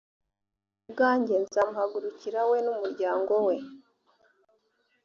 jye ubwanjye nzamuhagurukira we n umuryango we